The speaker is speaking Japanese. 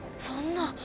そんな。